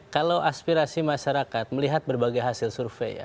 kalau aspirasi masyarakat melihat berbagai hasil survei ya